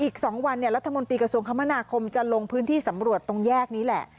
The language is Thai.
อีก๒วันรัฐมนตรีกระทรวงคมนาคมจะลงพื้นที่สำรวจตรงแยกนี้แหละ